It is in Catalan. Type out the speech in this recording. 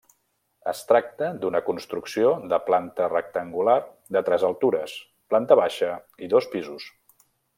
Es tracta d'una construcció de planta rectangular, de tres altures, planta baixa i dos pisos.